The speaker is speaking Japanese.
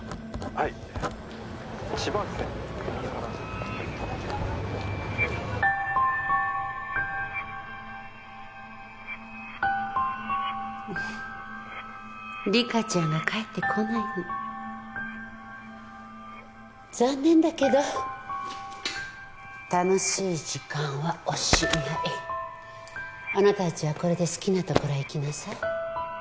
☎はい千葉県莉果ちゃんが帰ってこないの残念だけど楽しい時間はおしまいあなた達はこれで好きなところへ行きなさい